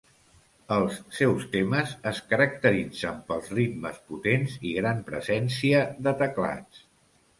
Els seus temes es caracteritzen pels ritmes potents i gran presència de teclats.